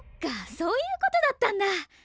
そういうことだったんだ！